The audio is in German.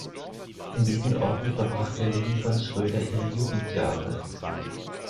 An diesen Orten verbrachte Lilly von Schröder ihre Jugendjahre.